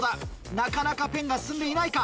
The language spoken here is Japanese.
なかなかペンが進んでいないか。